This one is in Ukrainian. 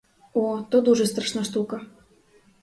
О, то дуже страшна штука!